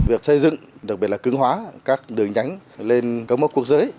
việc xây dựng đặc biệt là cứng hóa các đường nhánh lên các mốc quốc giới